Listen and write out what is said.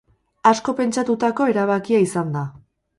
Asko pentsatutako erabakia izan da.